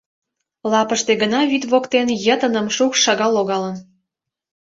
Лапыште гына, вӱд воктен, йытыным шукш шагал логалын.